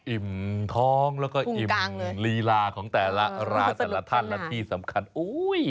อิ่มท้องแล้วก็อิ่มลีลาของแต่ละร้านแต่ละท่านและที่สำคัญอุ้ย